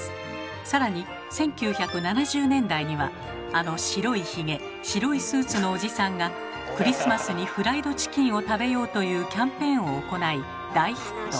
更に１９７０年代にはあの白いヒゲ白いスーツのおじさんが「クリスマスにフライドチキンを食べよう！」というキャンペーンを行い大ヒット。